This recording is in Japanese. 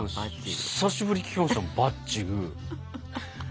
久しぶりに聞きましたもんバッチグー。